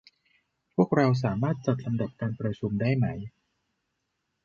พวกเราสามารถจัดลำดับการประชุมได้ไหม